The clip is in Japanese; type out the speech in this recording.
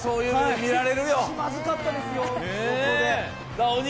気まずかったですよ。